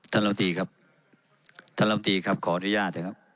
ลำตีครับท่านลำตีครับขออนุญาตนะครับ